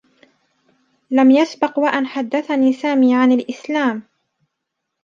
لم يسبق و أن حدّثني سامي عن الإسلام.